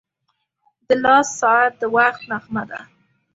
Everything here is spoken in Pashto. • د لاس ساعت د وخت نغمه ده.